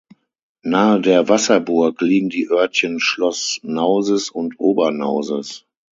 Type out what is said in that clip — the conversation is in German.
Nahe der Wasserburg liegen die Örtchen Schloß-Nauses und Ober-Nauses.